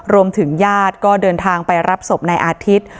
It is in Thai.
ญาติก็เดินทางไปรับศพนายอาทิตย์